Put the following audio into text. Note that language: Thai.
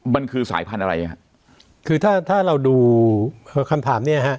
มันคือสายพันธุ์อะไรฮะคือถ้าถ้าเราดูคำถามเนี้ยฮะ